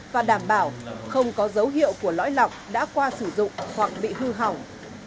và đảm bảo không có dấu hiệu của lõi lọc đã qua sử dụng hoặc bị hư hỏng